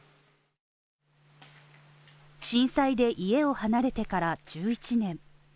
震災で家を離れてから１１年。